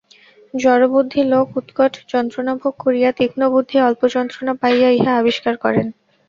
জড়বুদ্ধি লোক উৎকট যন্ত্রণাভোগ করিয়া, তীক্ষ্ণবুদ্ধি অল্প যন্ত্রণা পাইয়া ইহা আবিষ্কার করেন।